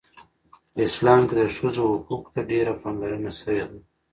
په اسلام کې د ښځو حقوقو ته ډیره پاملرنه شوې ده.